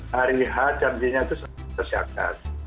hari hajar dia itu sangat bersyakat